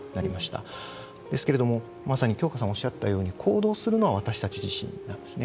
ですけれどもまさに京香さんおっしゃったように行動するのは私たち自身なんですね。